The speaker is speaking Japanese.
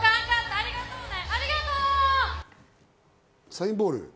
サインボール？